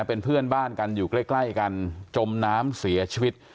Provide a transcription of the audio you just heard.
เป็นเพื่อนบ้านกันอยู่ใกล้กันจมน้ำเสียชีวิต